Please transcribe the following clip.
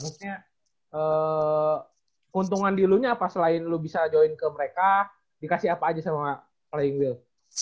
maksudnya keuntungan di lunya apa selain lu bisa join ke mereka dikasih apa aja sama flying wheel